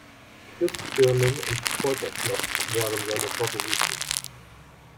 Christbirnen und Kräuterschnaps waren seine Favoriten.